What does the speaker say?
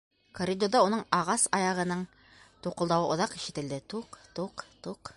Коридорҙа уның ағас аяғының туҡылдауы оҙаҡ ишетелде: туҡ, туҡ, туҡ...